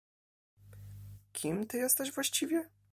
"Kim ty jesteś właściwie?"